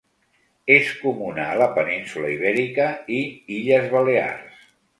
És comuna a la península Ibèrica i Illes Balears.